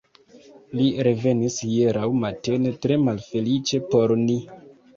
Li revenis hieraŭ matene, tre malfeliĉe por ni.